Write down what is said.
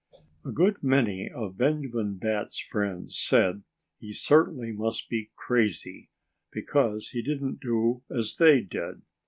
A good many of Benjamin Bat's friends said he certainly must be crazy, because he didn't do as they did.